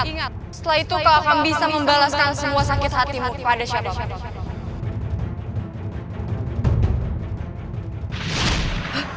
ingat setelah itu kau akan bisa membalaskan semua sakit hatimu pada siapa